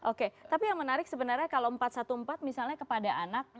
oke tapi yang menarik sebenarnya kalau empat ratus empat belas misalnya kepada anak